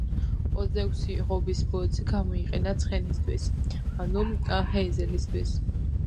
ოცდაექვსი ღობის ბოძი გამოიყენა ცხენისთვის, ანუ ჰეიზელისთვის.